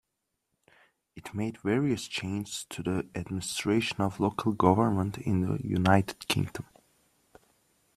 It made various changes to the administration of local government in the United Kingdom.